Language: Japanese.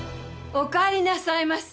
お帰りなさいませ！